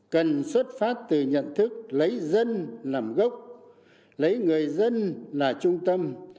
cần xuất phát từ nhận thức lấy dân làm gốc lấy người dân là trung tâm